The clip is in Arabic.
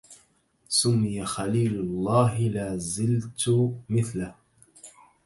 سمي خليل الله لا زلت مثله